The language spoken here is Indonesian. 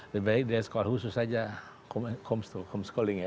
lebih baik dia sekolah khusus aja homeschooling ya